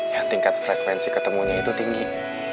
ya tingkat frekuensi ketemunya itu tinggi